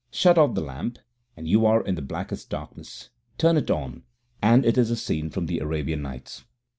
Shut off the lamp, and you are in the blackest darkness. Turn it on, and it is a scene from the Arabian Nights.